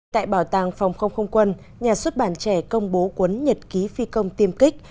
tại bảo tàng phòng không không quân nhà xuất bản trẻ công bố quấn nhật ký phi công tiêm kích